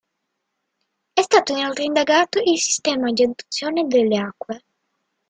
È stato inoltre indagato il sistema di adduzione delle acque.